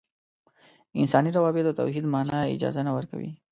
انساني روابطو توحید معنا اجازه نه ورکوو.